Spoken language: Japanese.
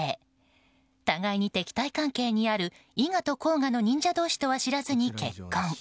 互いに敵対関係にある、伊賀と甲賀の忍者同士とは知らずに結婚。